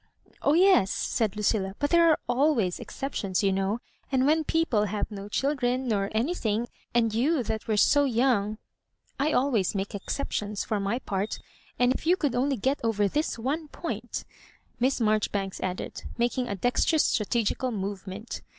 " Oh, yes," said Lucilla, " but there are always exceptions, you know; and when people have no children, nor anything — and you that were so young, I always make exceptions, for my part ; and if you could only get over this one point," Miss Marjoribanks added, making a dexterous strategical movement.